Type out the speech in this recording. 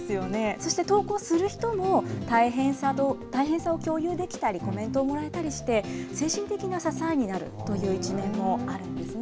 そして投稿する人も、大変さを共有できたり、コメントをもらえたりして、精神的な支えになるという一面もあるんですね。